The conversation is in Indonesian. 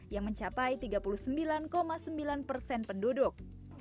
yang mencapai tiga puluh sembilan sembilan persen penduduk